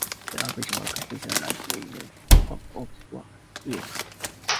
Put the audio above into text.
The average worker has a life expectancy of over one year.